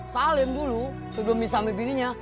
salim dulu sebelum bisa ambil bilinya